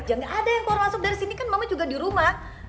ya gaada yang keluar masuk dari sini kan mama juga dirumah